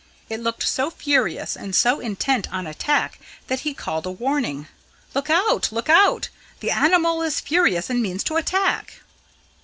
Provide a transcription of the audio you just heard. It looked so furious and so intent on attack that he called a warning. "Look out look out! The animal is furious and means to attack."